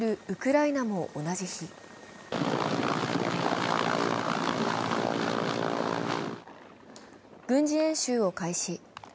ウクライナも同じ日軍事演習を開始。